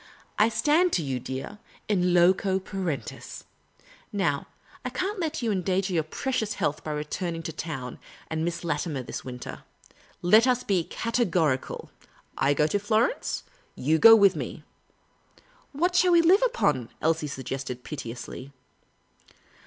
" I stand to you, dear, in loco parentis. Now, I can't let you endanger your precious health by returning to town and Miss Latimer this winter. Let us be categorical. I go to Florence ; you go with me." " What shall we live upon ?" Elsie suggested, piteously.